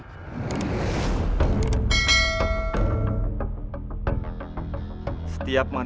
setiap manusia harus memiliki kemampuan